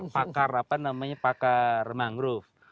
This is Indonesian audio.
pakar apa namanya pakar mangrove